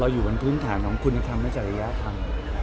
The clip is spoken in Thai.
อยู่บนพื้นฐานของคุณธรรมและจริยธรรม